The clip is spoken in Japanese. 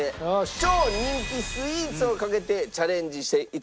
超人気スイーツをかけてチャレンジして頂こうと思います。